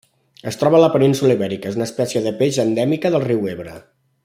Es troba a la península Ibèrica: és una espècie de peix endèmica del riu Ebre.